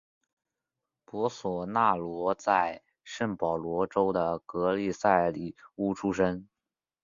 博索纳罗在圣保罗州的格利塞里乌出生。